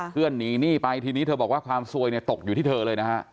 หนีหนี้ไปทีนี้เธอบอกว่าความซวยเนี่ยตกอยู่ที่เธอเลยนะฮะ